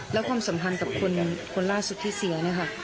แล้วความสัมพันธ์กับคนล่าสุดที่เสีย